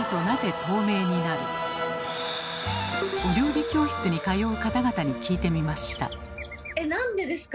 お料理教室に通う方々に聞いてみました。